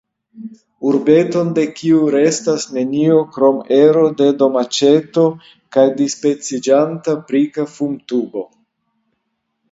Urbeton de kiu restas nenio krom ero de domaĉeto kaj dispeciĝanta brika fumtubo!